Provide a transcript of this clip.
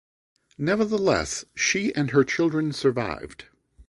Nevertheless she and her children survived.